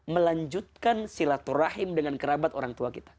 melanjutkan silaturahim dengan kerabat orang tua kita